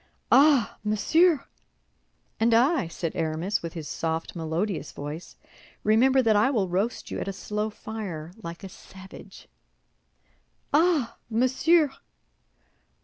"Ah, monsieur!" "And I," said Aramis, with his soft, melodius voice, "remember that I will roast you at a slow fire, like a savage." "Ah, monsieur!"